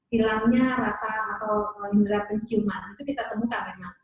hilangnya rasa atau indera penciuman itu kita temukan memang